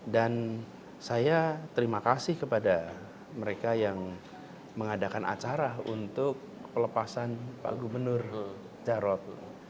dan saya terima kasih kepada mereka yang mengadakan acara untuk pelepasan pak gubernur jarot